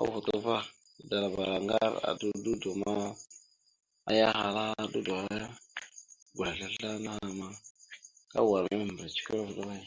A vuto va, tadalavara ŋgar a dudo ma, aya ahala a dudo ya: Ŋgureslesla naha ma, ka wa ana mèmbirec kwal vaɗ way?